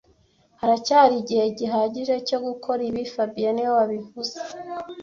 Haracyari igihe gihagije cyo gukora ibi fabien niwe wabivuze